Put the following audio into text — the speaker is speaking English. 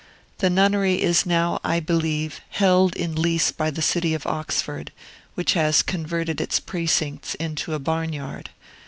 The nunnery is now, I believe, held in lease by the city of Oxford, which has converted its precincts into a barn yard.